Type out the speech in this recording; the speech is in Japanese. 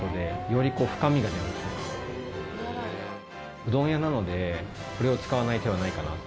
うどん屋なのでこれを使わない手はないかなと。